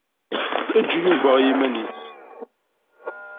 Eǧǧ Yuba i yiman-is.